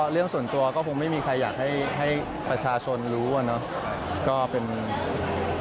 เรื่องส่วนตัวก็คงไม่มีใครอยากให้ประชาชนรู้อะเนาะ